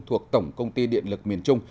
thuộc tổng công ty điện lực miền trung